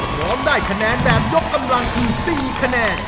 พร้อมได้คะแนนแบบยกกำลังคือ๔คะแนน